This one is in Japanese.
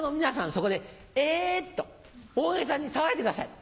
そこで「え！」と大げさに騒いでください。